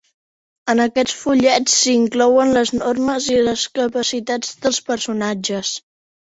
En aquests fullets s'hi inclouen les normes i les capacitats dels personatges.